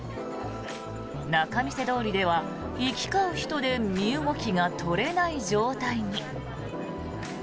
仲見世通りでは、行き交う人で身動きが取れない状態に。